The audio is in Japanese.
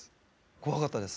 怖かったです。